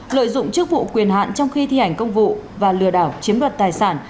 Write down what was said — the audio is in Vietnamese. lợi dụng chức vụ quyền hạn trong khi thi hành công vụ và lừa đảo chiếm đoạt tài sản